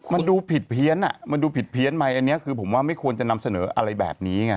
มันดูผิดเพี้ยนมันดูผิดเพี้ยนไหมอันนี้คือผมว่าไม่ควรจะนำเสนออะไรแบบนี้ไง